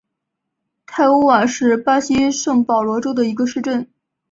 泰乌瓦是巴西圣保罗州的一个市镇。